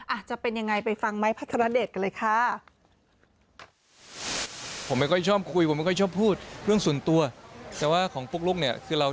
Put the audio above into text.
อาจจะเป็นอย่างไรไปฟังไม้พัฒนาเดชกันเลยค่ะ